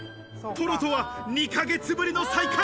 トロとは２ヶ月ぶりの再会。